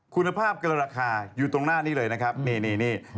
คุณภาพเกินราคาอยู่ตรงหน้านี้เลยนะครับนี่